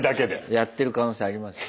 やってる可能性ありますよ。